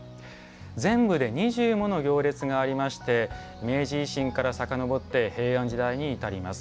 全部で２０もの行列があり明治維新からさかのぼって平安時代にいたります。